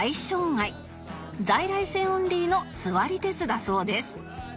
在来線オンリーの座り鉄だそうです